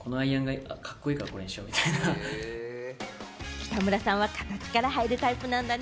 北村さんは形から入るタイプなんだね。